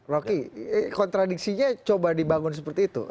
rocky kontradiksinya coba dibangun seperti itu